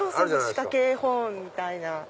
仕掛け絵本みたいな。